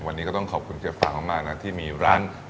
วันนี้ก็ต้องขอบคุณเจ๊ฟางมากนะที่มีร้าน